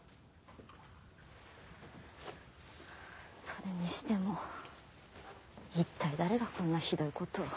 それにしても一体誰がこんなひどいことを。